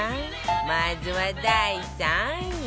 まずは第３位